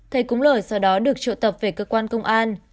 thầy cúng lờ sau đó được trợ tập về cơ quan công an